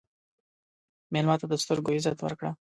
مېلمه ته د سترګو عزت ورکړه.